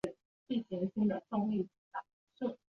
听说隔壁庄那个人赚了不少啊